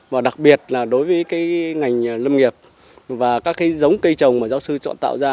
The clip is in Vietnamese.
và đặc biệt là đối với cái ngành lâm nghiệp và các cái giống cây trồng mà giáo sư chọn tạo ra